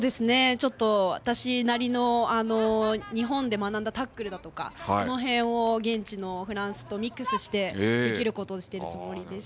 私なりの日本で学んだタックルだとかその辺を現地のフランスとミックスしてできることをしているつもりです。